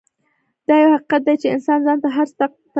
دا يو حقيقت دی چې انسان ځان ته هر څه تلقينوي.